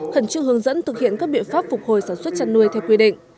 khẩn trương hướng dẫn thực hiện các biện pháp phục hồi sản xuất chăn nuôi theo quy định